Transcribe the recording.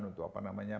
untuk apa namanya